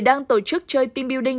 đang tổ chức chơi team building